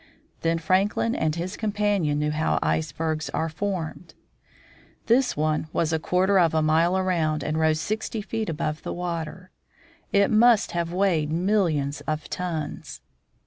Then Franklin and his companion knew how icebergs are formed. This one was a quarter of a mile around, and rose sixty feet above the water. It must have weighed millions of tons.